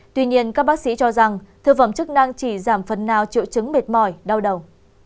tuy nhiên các bác sĩ cho rằng thực phẩm chức năng chỉ giảm phần nào triệu chứng mệt mỏi đau đầu